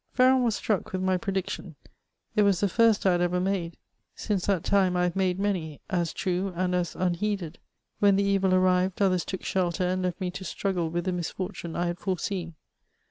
Ferron was struck with my prediction ; it was the first I had ever made ; since that time I have made many, as true and as unheeded ; when the evil arrived others took welter and lefl me to struggle with the misfortune I had foreseen.